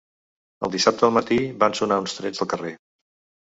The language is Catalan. El dissabte al matí van sonar uns trets al carrer